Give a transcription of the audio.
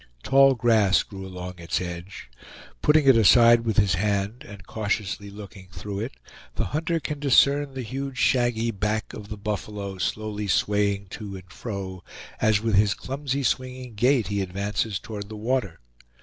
Tall grass grew along its edge. Putting it aside with his hand, and cautiously looking through it, the hunter can discern the huge shaggy back of the buffalo slowly swaying to and fro, as with his clumsy swinging gait he advances toward the water.